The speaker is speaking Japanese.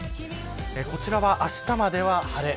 こちらは、あしたまでは晴れ。